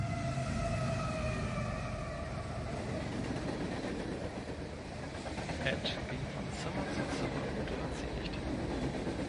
Ed ging von Zimmer zu Zimmer und fand sie nicht.